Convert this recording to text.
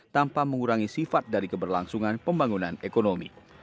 tanpa mengurangi sifat dari keberlangsungan pembangunan ekonomi